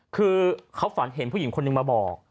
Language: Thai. คือเขาฝันเห็นผู้หญิงคนนึงมาบอก